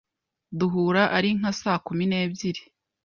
duhura ari nka saa kumi nebyiri